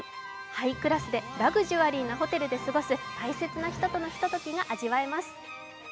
ハイクラスでラグジュアリーなホテルで過ごす大切な人とのひとときが味わえます。